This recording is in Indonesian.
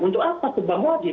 untuk apa kebang lagi